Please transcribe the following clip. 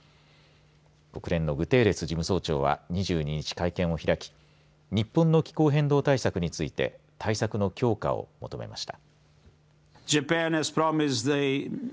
国連のグレーテス事務総長は２２日、会見を開き日本の気候変動対策について対策の強化を求めました。